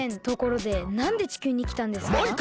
ところでなんで地球にきたんですか？